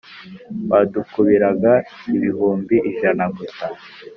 wadukubiraga ibihumbi ijana gusa